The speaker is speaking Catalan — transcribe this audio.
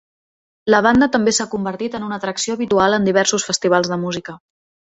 La banda també s'ha convertit en una atracció habitual en diversos festivals de música.